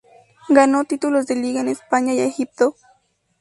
Ganó títulos de Liga en España y Egipto.